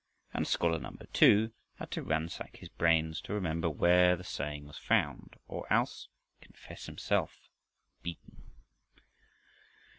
And scholar number two had to ransack his brains to remember where the saying was found, or else confess himself beaten.